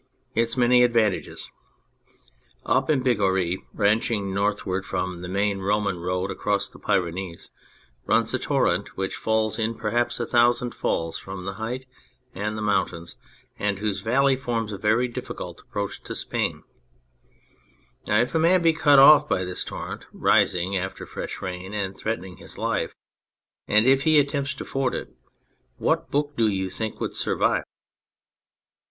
Its many advantages !.... Up in Bigorre, branching northward from the main Roman Road across the Pyrenees, runs a torrent which falls in perhaps a thousand falls from the height and the mountains, and whose valley forms a very difficult approach to Spain. Now if a man be cut off by this torrent, rising after fresh rain and threatening his life, and if he attempts to ford it, what book do you think would survive